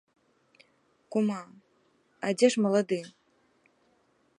Кума, а дзе ж малады?